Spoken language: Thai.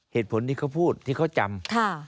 เหตุผลที่เขาพูดที่เขาจำ